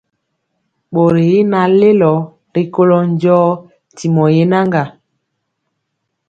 Bori y naŋ lelo rikolo njɔɔ tyimɔ yenaga.